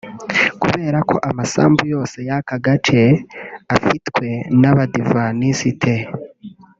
kubera ko amasambu yose y’aka gace afitwe n’abadivanisite